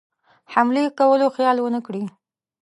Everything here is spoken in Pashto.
حملې کولو خیال ونه کړي.